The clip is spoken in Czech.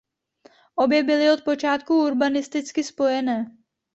Obě byly od počátku urbanisticky spojené.